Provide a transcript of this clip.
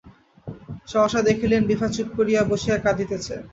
সহসা দেখিলেন, বিভা চুপ করিয়া বসিয়া কাঁদিতেছে।